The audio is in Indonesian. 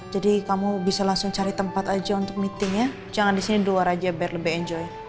jadi kamu bisa langsung cari tempat aja untuk meetingnya jangan di sini duar aja biar lebih enjoy